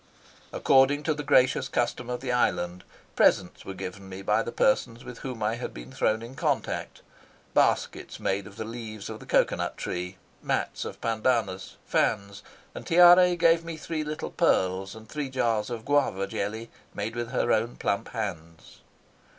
According to the gracious custom of the island, presents were given me by the persons with whom I had been thrown in contact baskets made of the leaves of the cocoa nut tree, mats of pandanus, fans; and Tiare gave me three little pearls and three jars of guava jelly made with her own plump hands.